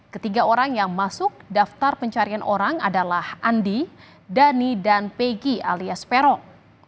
ketiga orang yang masuk daftar pencarian orang adalah andi dhani dan pegi alias peron